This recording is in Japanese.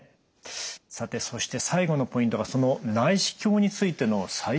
さてそして最後のポイントがその内視鏡についての最新情報ですね。